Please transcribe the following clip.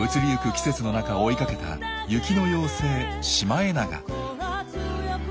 季節の中追いかけた「雪の妖精」シマエナガ。